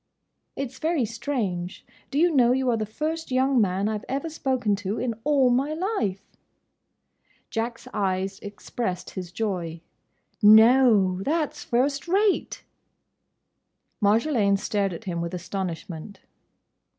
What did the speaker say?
"It's very strange. Do you know, you are the first young man I 've ever spoken to, in all my life?" Jack's eyes expressed his joy. "No!—that's first rate!" Marjolaine stared at him with astonishment.